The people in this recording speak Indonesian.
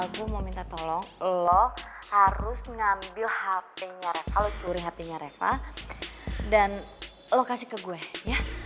gue mau minta tolong lo harus ngambil hp nya reva lo curi hp nya reva dan lo kasih ke gue ya